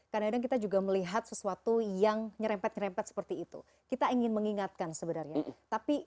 karena kita juga melihat sesuatu yang nyerempet nyerempet seperti itu kita ingin mengingatkan sebenarnya tapi